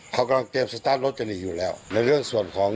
เขากำลังเตรียมสตาร์ทรถจะหนีอยู่แล้วในเรื่องของ